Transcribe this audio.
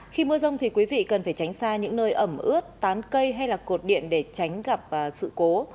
khi mưa rông thì quý vị cần phải tránh xa những nơi ẩm ướt tán cây hay là cột điện để tránh gặp sự cố